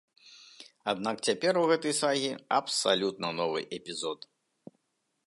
Аднак цяпер у гэтай сагі абсалютна новы эпізод.